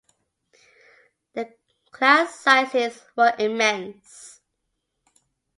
Class sizes were immense.